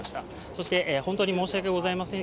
そして、本当に申し訳ありません。